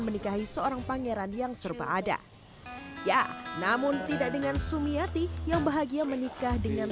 menikahi seorang pangeran yang serba ada ya namun tidak dengan sumiati yang bahagia menikah dengan